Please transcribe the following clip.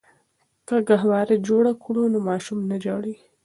که ګهواره جوړه کړو نو ماشوم نه ژاړي.